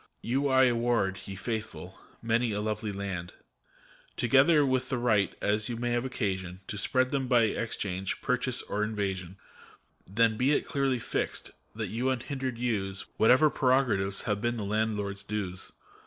You I award, ye Faithful, many a lovely land. Together with the right, as you may have occasion, To spread them by exchange, or purchase, or invasion : Then be it clearly fixed, that you unhindered use Whatever prerogatives have been the landlord's dues.